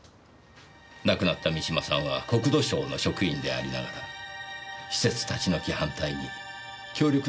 亡くなった三島さんは国土省の職員でありながら施設立ち退き反対に協力なさっていたそうですね。